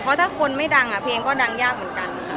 เพราะถ้าคนไม่ดังเพลงก็ดังยากเหมือนกันค่ะ